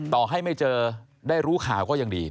ต่อให้ไม่เจอได้รู้ข่าวก็ยังดี